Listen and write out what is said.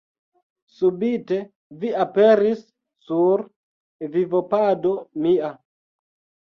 Subite vi aperis sur vivopado mia.